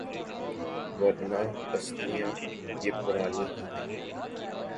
ورنہ بستیاں یہ پرانی ہی ہیں۔